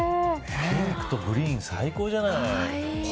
ピンクとグリーン最高じゃない。